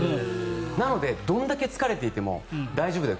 なので、どんだけ疲れていても大丈夫だよ